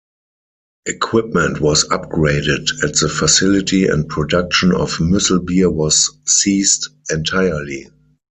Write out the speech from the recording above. Equipment was upgraded at the facility and production of Muessel beer was ceased entirely.